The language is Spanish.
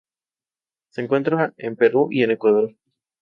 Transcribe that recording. Se encuentra en Perú y en Ecuador.